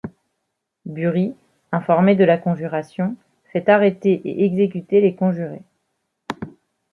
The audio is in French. Buri, informé de la conjuration, fait arrêter et exécuté les conjurés.